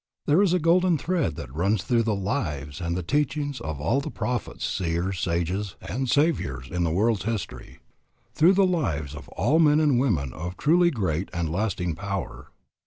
There is a golden thread that runs through the lives and the teachings of all the prophets, seers, sages, and saviours in the world's history, through the lives of all men and women of truly great and lasting power.